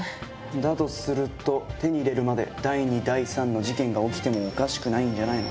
だとすると、手に入れるまで、第２、第３の事件が起きてもおかしくないんじゃないの？